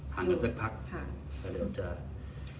พังกันสักพัก